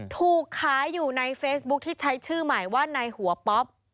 ถูกขายอยู่ในเฟซบุ๊คที่ใช้ชื่อใหม่ว่านายหัวป๊อป